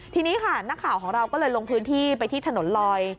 ทีนี้ค่ะนักข่าวของเราก็เลยลงพื้นที่ไปที่ถนนลอย